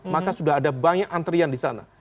maka sudah ada banyak antrian di sana